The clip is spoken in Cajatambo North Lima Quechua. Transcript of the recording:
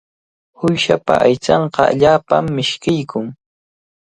Uyshapa aychanqa allaapami mishkiykun.